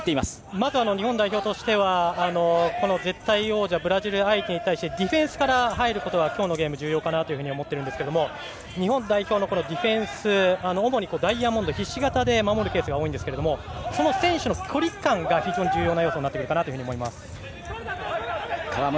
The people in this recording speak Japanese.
まず日本代表としては絶対王者ブラジル相手に対しディフェンスから入ることが今日のゲームでは重要かなと思っているんですけれど日本代表のディフェンスは主にダイヤモンドひし形で守るケースが多いですがその選手の距離感が非常に重要な要素になってくるかなと思います。